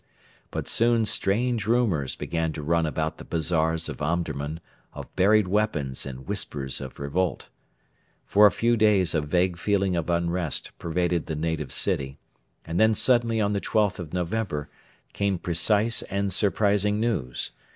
But soon strange rumours began to run about the bazaars of Omdurman of buried weapons and whispers of revolt. For a few days a vague feeling of unrest pervaded the native city, and then suddenly on the 12th of November came precise and surprising news.